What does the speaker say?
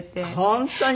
本当に？